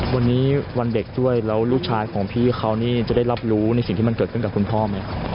วันนี้วันเด็กด้วยแล้วลูกชายของพี่เขานี่จะได้รับรู้ในสิ่งที่มันเกิดขึ้นกับคุณพ่อไหมครับ